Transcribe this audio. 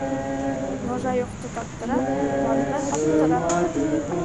Нужа юҡты таптыра, барҙы һаттыра.